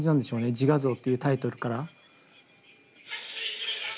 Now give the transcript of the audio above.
「自画像」っていうタイトルから。